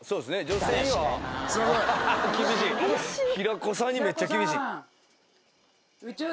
平子さんにめっちゃ厳しい。